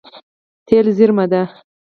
تېل زیرمه ده.